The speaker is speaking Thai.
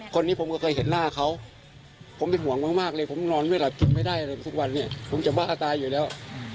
คนนี้ผมก็เคยเห็นหน้าเขาผมเป็นห่วงมากเลยผมนอนไม่หลับกินไม่ได้อะไรทุกวันนี้ผมจะบ้าตายอยู่แล้ว